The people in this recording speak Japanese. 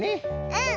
うん。